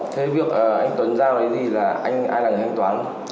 thế việc anh tuấn giao đấy gì là anh ai là người thanh toán